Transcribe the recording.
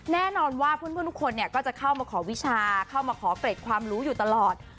แน่นอนว่าเพื่อนทุกคนก็จะเข้ามาขอวิชาเข้ามาขอเกร็ดความรู้อยู่ตลอด